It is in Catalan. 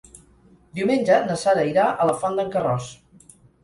Diumenge na Sara irà a la Font d'en Carròs.